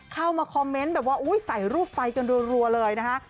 เข้ามาคอมเมนต์แบบว่าใส่รูปไฟกันรัวเลยนะฮะ